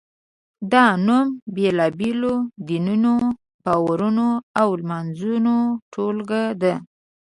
دا نوم بېلابېلو دینونو، باورونو او لمانځنو ټولګه ده.